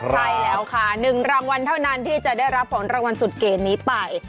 ใช่แล้วค่ะ๑รางวัลเท่านั้นที่จะได้รับผลรางวัลสุดเกณฑ์นี้ไป